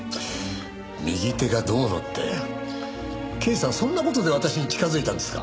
右手がどうのって刑事さんそんな事で私に近づいたんですか？